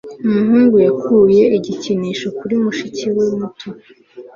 umuhungu yakuye igikinisho kuri mushiki we muto